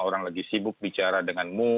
orang lagi sibuk bicara dengan mu